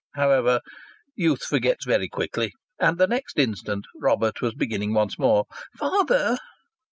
However, youth forgets very quickly, and the next instant Robert was beginning once more, "Father!"